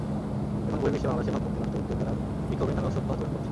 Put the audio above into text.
এখন বহির্বিশ্বে বাংলাদেশের ভাবমূর্তি নষ্ট করতে তাঁরা বিক্ষোভের নামে অসভ্য আচরণ করছে।